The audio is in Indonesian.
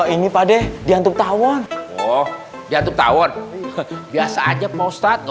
ini pade diantuk tahun diantuk tahun biasa aja postat